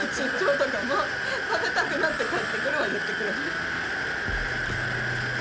出張とかも食べたくなって帰ってくるは言ってくれます。